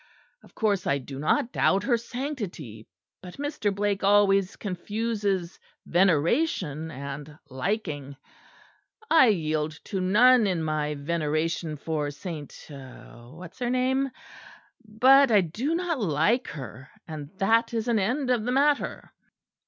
Of course I do not doubt her sanctity; but Mr. Blake always confuses veneration and liking. I yield to none in my veneration for Saint What's her name; but I do not like her; and that is an end of the matter."